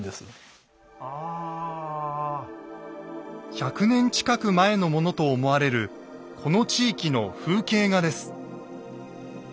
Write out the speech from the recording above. １００年近く前のものと思われるこの地域の風景画です。